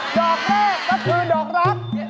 ดอกแรกก็คือดอกรัก